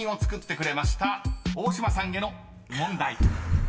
［大島さんへの問題］